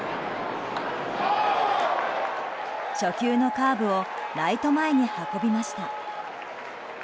初球のカーブをライト前に運びました。